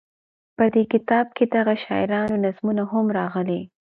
په دې کتاب کې دهغه شاعرانو نظمونه هم راغلي.